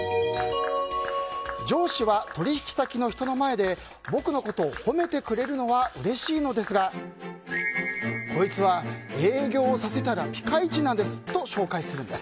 上司は取引先の人の前で僕のことを褒めてくれるのはうれしいのですがこいつは営業をさせたらピカイチなんですと紹介するんです。